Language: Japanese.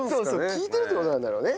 聴いてるって事なんだろうね。